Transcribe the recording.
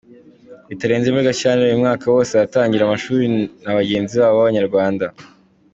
Bitarenze muri Gashyantare uyu mwaka bose batangiranye amashuri na bagenzi babo b’Abanyarwanda.